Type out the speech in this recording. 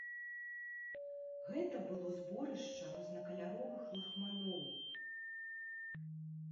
Гэта было зборышча рознакаляровых лахманоў.